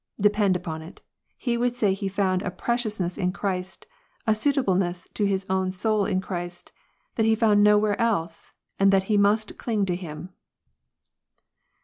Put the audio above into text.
Depend upon it, he would say he found a preciousness in Christ, a suitableness to his own soul in Christ, that he found nowhere else, and that he must cling to Him.